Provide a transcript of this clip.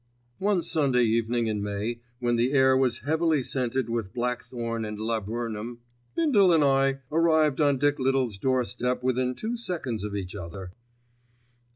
One Sunday evening in May, when the air was heavily scented with blackthorn and laburnum, Bindle and I arrived on Dick Little's doorstep within two seconds of each other.